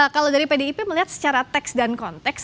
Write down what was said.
kalau dari pdip melihat secara teks dan konteks